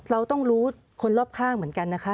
เราต้องรู้คนรอบข้างเหมือนกันนะคะ